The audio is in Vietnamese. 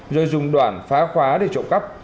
rồi dùng đoạn phá khóa để trộm cắp